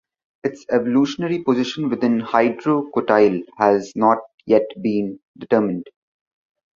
Its evolutionary position within "Hydrocotyle" has not yet been determined.